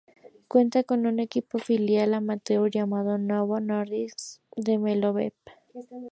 Cuenta con un equipo filial amateur llamado Novo Nordisk Development.